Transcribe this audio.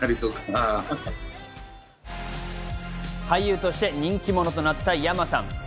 俳優として人気者となったＹＡＭＡさん。